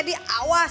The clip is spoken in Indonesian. nanti pak edi awas